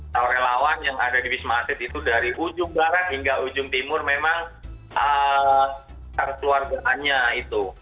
tau relawan yang ada di bismarck itu dari ujung barat hingga ujung timur memang keluarganya itu